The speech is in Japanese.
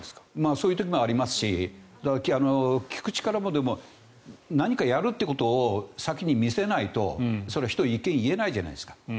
そういう時もあるし聞く力も何かやるということを先に見せないと人は意見を言えないじゃないですか。